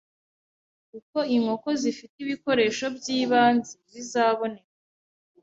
uko inkoko zifite ibikoresho by’ibanze bizaboneka